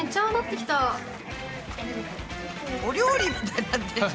お料理みたいになってきた。